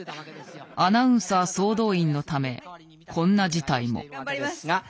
アナウンサー総動員のためこんな事態も。